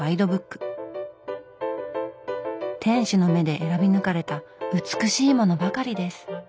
店主の目で選び抜かれた美しいものばかりです。